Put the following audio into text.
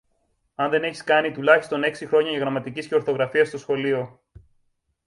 αν δεν έχεις κάνει τουλάχιστον έξι χρόνια γραμματικής και ορθογραφίας στο σχολείο